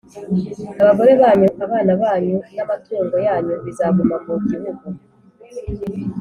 Abagore banyu abana banyu n amatungo yanyu bizaguma mu Gihugu